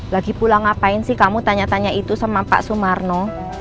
lagi pulang ngapain sih kamu tanya tanya itu sama pak sumarno